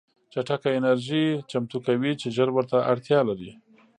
چټکه انرژي چمتو کوي چې ژر ورته اړتیا لري